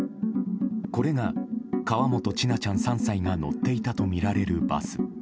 これが、河本千奈ちゃん、３歳が乗っていたとみられるバス。